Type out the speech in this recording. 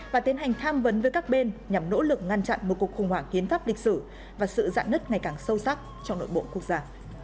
và tiến hành tham vấn với các bên nhằm nỗ lực ngăn chặn một cuộc khủng hoảng hiến pháp lịch sử và sự dạng nứt ngày càng sâu sắc trong nội bộ quốc gia